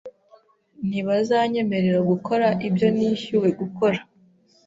Ntibazanyemerera gukora ibyo nishyuwe gukora